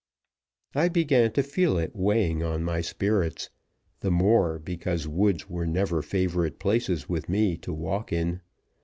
I began to feel it weighing on my spirits the more, because woods were never favorite places with me to walk in.